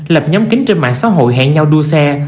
lập nhóm kính trên mạng xã hội hẹn nhau đua xe